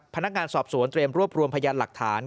พนักงานสอบสวนเตรียมรวบรวมพยานหลักฐาน